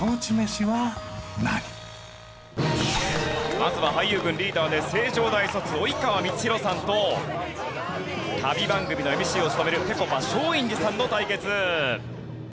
まずは俳優軍リーダーで成城大卒及川光博さんと旅番組のＭＣを務めるぺこぱ松陰寺さんの対決。